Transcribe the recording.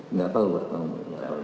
enggak tahu pak